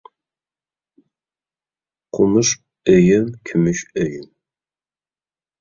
قومۇش ئۆيۈم، كۈمۈش ئۆيۈم.